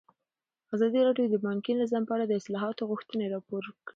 ازادي راډیو د بانکي نظام په اړه د اصلاحاتو غوښتنې راپور کړې.